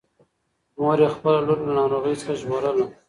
مور یې خپله لور له ناروغۍ څخه ژغورله.